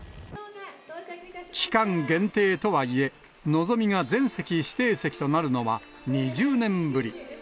期間限定とはいえ、のぞみが全席指定席となるのは、２０年ぶり。